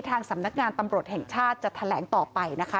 ทางสำนักงานตำรวจแห่งชาติจะแถลงต่อไปนะคะ